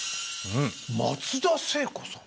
松田聖子さん。